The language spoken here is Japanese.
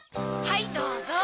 はいどうぞ。